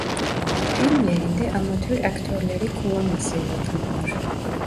Filmlerinde amatör aktörleri kullanmasıyla tanınır.